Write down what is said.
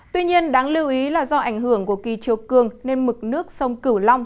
tuy nhiên đáng lưu ý là do ảnh hưởng của kỳ chiều cường nên mực nước sông cửu long